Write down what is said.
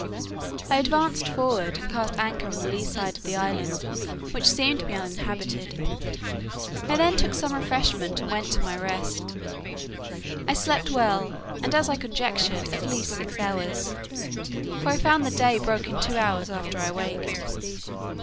I advanced forward, and cast anchor on the lee side of the island, which seemed to be uninhabited. I then took some refreshment, and went to my rest. I slept well, and as I conjectured at least six hours, for I found the day broke in two hours after I awaked.